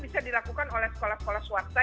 bisa dilakukan oleh sekolah sekolah swasta